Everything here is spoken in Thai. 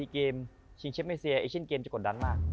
๔เกมชิงเชฟไม่เสียเอชั่นเกมจะกดดันมาก